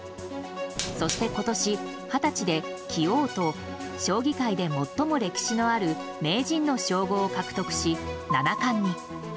そして今年、二十歳で棋王と将棋界で最も歴史のある名人の称号を獲得し七冠に。